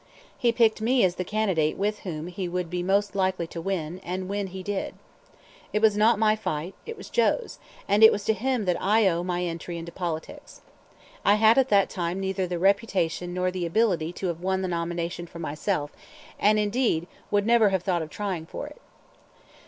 He picked me as the candidate with whom he would be most likely to win; and win he did. It was not my fight, it was Joe's; and it was to him that I owe my entry into politics. I had at that time neither the reputation nor the ability to have won the nomination for myself, and indeed never would have thought of trying for it.